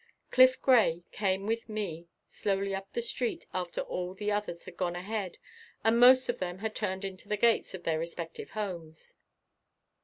Cliff Gray came with me slowly up the street after all the others had gone ahead and most of them had turned into the gates of their respective homes.